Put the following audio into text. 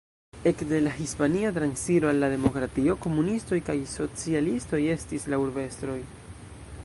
Ekde la Hispana Transiro al la Demokratio komunistoj kaj socialistoj estis la urbestroj.